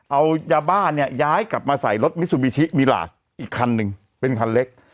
เอายาบ้าเนี่ยย้ายกลับมาใส่รถมิซูบิชิมิลาสอีกคันหนึ่งเป็นคันเล็ก